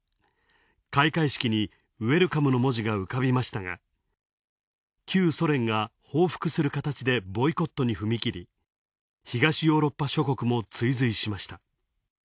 開会式にウェルカムの文字が浮かびましたが、旧ソ連が報復する形でボイコットにふみきり、東ヨーロッパ諸国も追随しました。